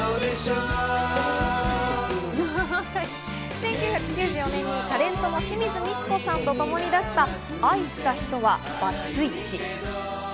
１９９４年にタレントの清水ミチコさんとともに出した『愛したひとはバツイチ』。